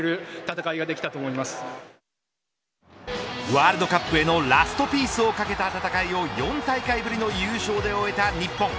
ワールドカップへのラストピースを懸けた戦いを４大会ぶりの優勝で終えた日本。